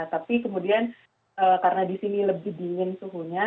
tapi kemudian karena di sini lebih dingin suhunya